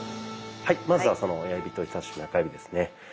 はいまずはその親指と人さし指中指ですね。